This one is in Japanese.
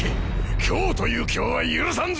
今日という今日は許さんぞ！